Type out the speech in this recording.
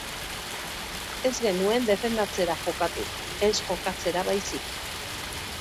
Ez genuen defendatzera jokatu, ez jokatzera baizik.